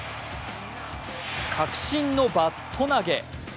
確信のバット投げ。